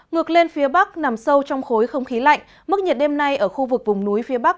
ngược lên phía bắc nằm sâu trong khối không khí lạnh mức nhiệt đêm nay ở khu vực vùng núi phía bắc